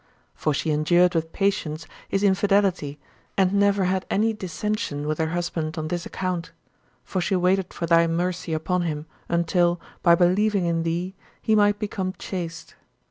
For she endured with patience his infidelity and never had any dissension with her husband on this account. For she waited for thy mercy upon him until, by believing in thee, he might become chaste.